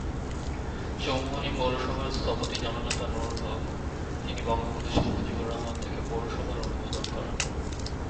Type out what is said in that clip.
চৌমুহনী পৌরসভার স্থপতি জননেতা নুরুল হক, তিনি বঙ্গবন্ধু শেখ মুজিবুর রহমান থেকে পৌরসভার অনুমোদন করান।